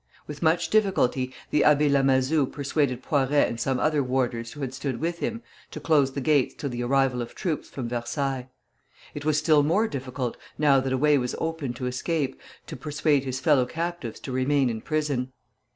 With much difficulty the Abbé Lamazou persuaded Poiret and some other warders who had stood with him, to close the gates till the arrival of troops from Versailles. It was still more difficult, now that a way was open to escape, to persuade his fellow captives to remain in prison.